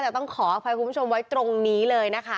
แต่ต้องขออภัยคุณผู้ชมไว้ตรงนี้เลยนะคะ